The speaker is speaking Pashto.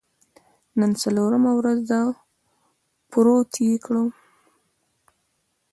نن څلورمه ورځ ده، پروت یې کړی.